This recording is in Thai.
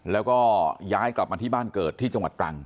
แล้วก็ย้ายกลับมาที่บ้านเกิดที่จังหวัดตรัง